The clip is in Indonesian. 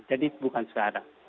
jadi bukan sekarang